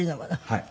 はい。